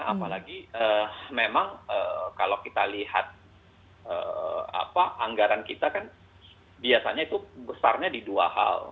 apalagi memang kalau kita lihat anggaran kita kan biasanya itu besarnya di dua hal